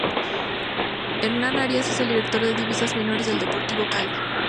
Hernando Arias es el director de divisiones menores del Deportivo Cali.